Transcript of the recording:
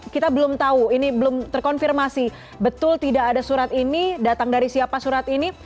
kita belum tahu ini belum terkonfirmasi betul tidak ada surat ini datang dari siapa surat ini